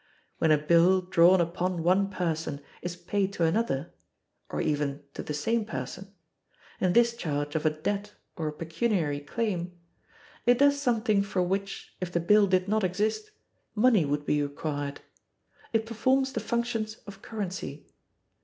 When a bill drawn upon one person is paid to another (or even to the same person) in discharge of a debt or a pecuniary claim, it does something for which, if the bill did not exist, money would be required: it performs the functions of currency.